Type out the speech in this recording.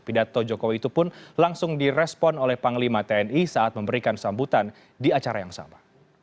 pidato jokowi itu pun langsung direspon oleh panglima tni saat memberikan sambutan di acara yang sama